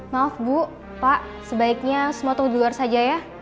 maaf bu pak sebaiknya semua tunggu di luar saja ya